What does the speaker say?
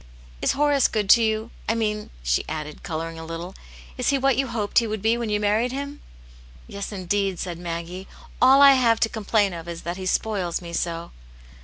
" Is Horace good to you ? I mean," she added, colouring a little, " is he what you hoped he would be when you married him ?" "Yes, indeed!" said Maggie; "all I have to com plain of is that he spoils me so."